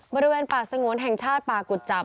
บริเวณป่าสงวนแห่งชาติป่ากุจจับ